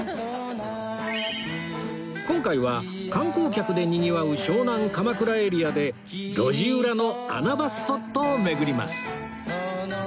今回は観光客でにぎわう湘南・鎌倉エリアで路地裏の穴場スポットを巡ります